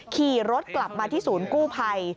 ขี่รถกลับมาที่ศูนย์กู้ภัย